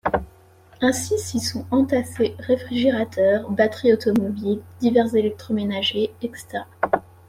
Ainsi s'y sont entassés réfrigérateurs, batteries automobiles, divers électroménager, etc.